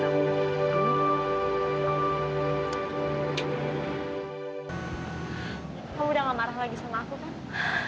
kamu udah gak marah lagi sama aku kan